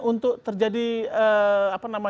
untuk terjadi perubahan perubahan